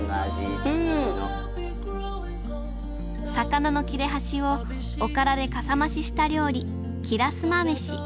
魚の切れ端をおからでかさ増しした料理きらすまめし。